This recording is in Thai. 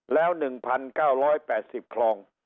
แล้ว๑๙๘๐คลอง